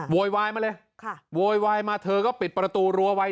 โวยวายมาเลยเธอก็ปิดประตูรัวไว้